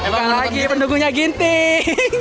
bukan lagi pendukungnya ginting